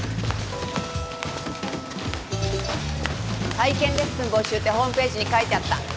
「体験レッスン募集」ってホームページに書いてあった。